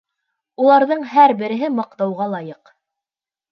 Уларҙың һәр береһе маҡтауға лайыҡ.